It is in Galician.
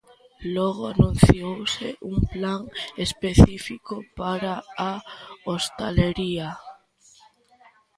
Logo anunciouse un plan específico para a hostalería.